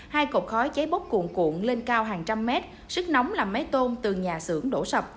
hai cột khói cháy bóp cuộn cuộn lên cao hàng trăm mét sức nóng làm máy tôm từ nhà xưởng đổ sập